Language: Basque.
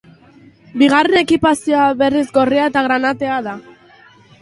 Bigarren ekipazioa berriz, gorria eta granatea da.